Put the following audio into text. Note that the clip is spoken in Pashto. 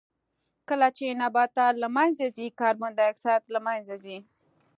کله چې نباتات له منځه ځي کاربن ډای اکسایډ له منځه ځي.